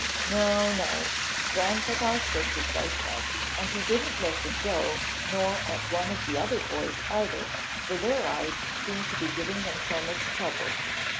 "No, no;" Grandpapa shook his white head. And he didn't look at Joe nor at one of the other boys, either, for their eyes seemed to be giving them so much trouble.